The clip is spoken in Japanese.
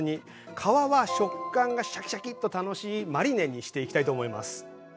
皮は食感がシャキシャキッと楽しいマリネにしていきたいと思います。